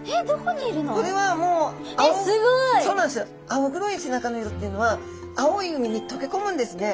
青黒い背中の色っていうのは青い海にとけこむんですね。